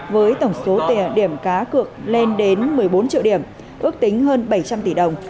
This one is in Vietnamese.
với tổng số tiền điểm cá cược lên đến một mươi bốn triệu điểm ước tính hơn bảy trăm linh tỷ đồng